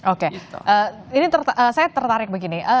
oke ini saya tertarik begini